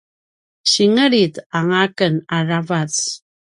singelit anga aken aravac